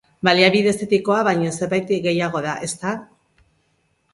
Baliabide estetikoa baino zerbait gehiago da, ezta?